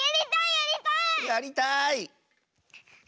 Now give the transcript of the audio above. やりたい！